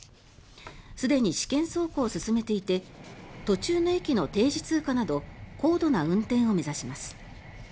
すでに試験走行を進めていて途中の駅の定時通過など高度な運転を目指します。